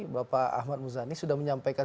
bapak ahmad muzani sudah menyampaikan